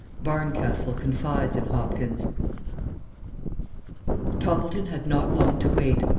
BARNCASTLE CONFIDES IN HOPKINS. TOPPLETON had not long to wait.